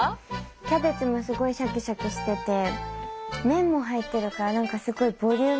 キャベツもすごいシャキシャキしてて麺も入ってるから何かすごいボリューミーで。